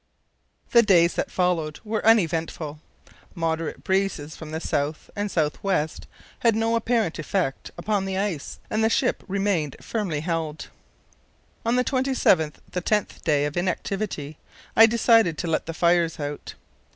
The days that followed were uneventful. Moderate breezes from the east and south west had no apparent effect upon the ice, and the ship remained firmly held. On the 27th, the tenth day of inactivity, I decided to let the fires out.